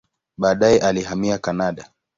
Baadaye alihamia Kanada.